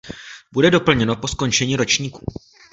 Bude doplněno po skončení ročníku.